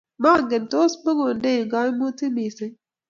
maangen tos mukundein kaimutik mising